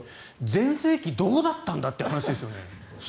全盛期、どうだったんだという話ですよね。